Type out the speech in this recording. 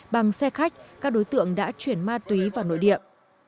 bằng xe khách các đối tượng đã chuyển ma túy vào nội địa